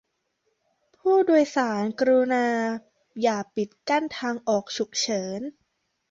ผู้โดยสารกรุณาอย่าปิดกั้นทางออกฉุกเฉิน